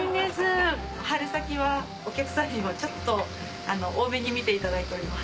春先はお客さんにも大目に見ていただいております。